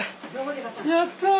やったあ。